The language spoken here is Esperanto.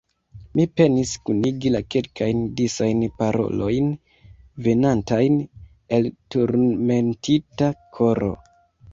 Mi penis kunigi la kelkajn disajn parolojn, venantajn el turmentita koro.